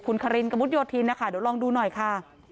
คุณคารินกระมุดโยธินนะคะเดี๋ยวลองดูหน่อยค่ะ